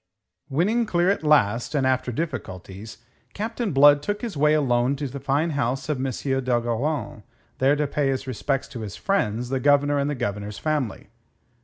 Winning clear at last, and after difficulties, Captain Blood took his way alone to the fine house of M. d'Ogeron, there to pay his respects to his friends, the Governor and the Governor's family.